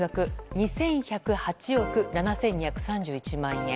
２１０８億７２３１万円。